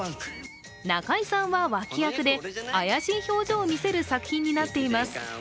中居さんは脇役で、怪しい表情を見せる作品になっています。